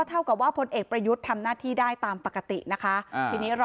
เท่ากับว่าพลเอกประยุทธ์ทำหน้าที่ได้ตามปกตินะคะทีนี้รอ